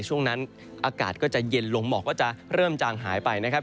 ช่วงนั้นอากาศก็จะเย็นลงหมอกก็จะเริ่มจางหายไปนะครับ